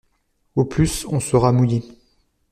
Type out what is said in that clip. Au plus on sera mouillés.